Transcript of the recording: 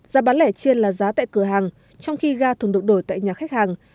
giá bán lẻ chiên là giá tại cửa hàng trong khi ga thường đột đổi tại nhà khách hàng